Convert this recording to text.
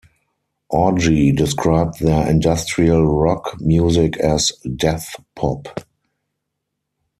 Orgy described their industrial rock music as "death pop".